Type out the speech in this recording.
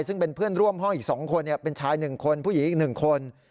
ซึ่งเป็นเพื่อนร่วมห้องอีก๒คนเป็นชาย๑คนผู้หญิงอีก๑คน